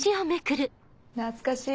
懐かしい。